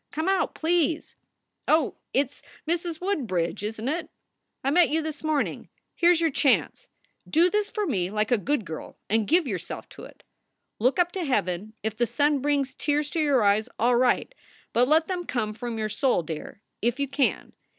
Come out, please. Oh, it s Mrs. Woodbridge, isn t it? I met you this morning. Here s your chance. Do this for me, like a good girl, and give your self to it. Look up to heaven; if the sun brings tears to your eyes, all right, but let them come from your soul, dear, if you can.